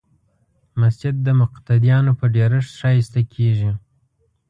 مسجد د مقتدیانو په ډېرښت ښایسته کېږي.